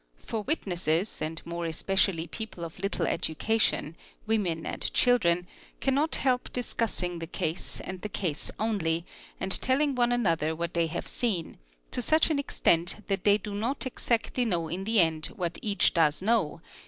For witnesses and more especially people of little educa 1, women, and children, cannot help discussing the case and the case 128 INSPECTION OF LOCALITIES only, and telling one another what they have seen, to such an extent that they do not exactly know in the end what each does know, 7.